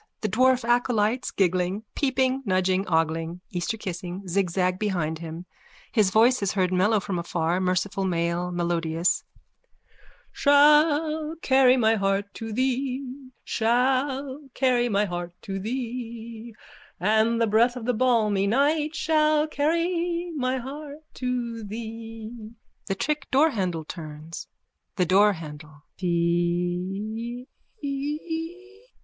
The dwarf acolytes, giggling, peeping, nudging, ogling, Easterkissing, zigzag behind him. His voice is heard mellow from afar, merciful male, melodious:)_ Shall carry my heart to thee, Shall carry my heart to thee, And the breath of the balmy night Shall carry my heart to thee! (The trick doorhandle turns.) THE DOORHANDLE: Theeee!